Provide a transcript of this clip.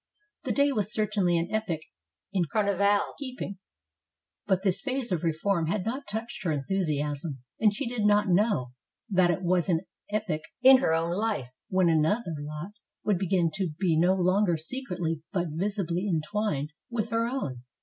The day was certainly an epoch in car nival keeping ; but this phase of reform had not touched her enthusiasm, and she did not know that it was an epoch in her own life when another lot would begin to be no longer secretly but visibly entwined with her own.